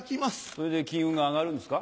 それで金運が上がるんですか？